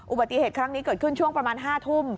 อุบัติเหตุครั้งนี้เกิดขึ้นช่วงประมาณ๕ทุ่ม